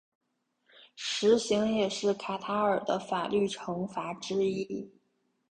石刑也是卡塔尔的法律惩罚之一。